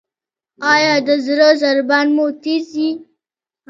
ایا د زړه ضربان مو تېز دی؟